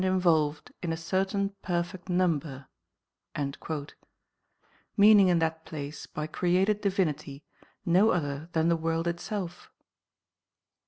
339 involved in a certain perfect number ;" meaning in that place by created Divinity no other than the world itself.